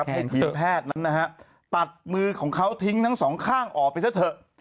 ให้ทีมแพทย์นั้นนะฮะตัดมือของเขาทิ้งทั้งสองข้างออกไปซะเถอะ